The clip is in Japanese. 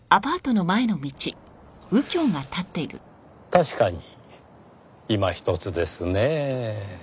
確かにいまひとつですねぇ。